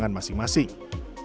alasan penting wync standara basif